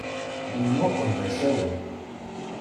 Nemmuqqel d asawen.